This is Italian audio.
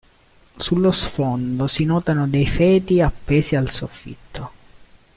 Sullo sfondo si notano dei feti appesi al soffitto.